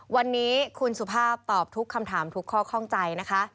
วันนี้คุณสุภาพตอบทุกคำถามทุกข้อข้องใจนะคะ